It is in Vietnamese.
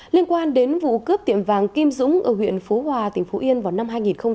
liên quan đến vụ cướp tiệm vàng kim dũng ở huyện phố hòa tỉnh phố yên vào năm hai nghìn một mươi bốn